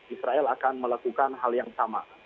israel akan melakukan hal yang sama